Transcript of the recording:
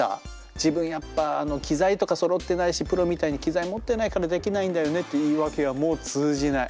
「自分やっぱ機材とかそろってないしプロみたいに機材持ってないからできないんだよね」って言い訳はもう通じない。